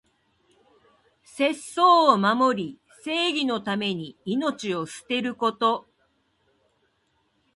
節操を守り、正義のために命を捨てること。